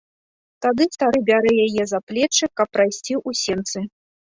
Тады стары бярэ яе за плечы, каб прайсці ў сенцы.